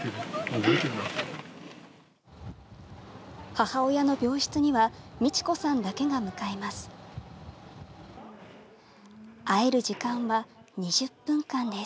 母親の病室には美千子さんだけが向かいます。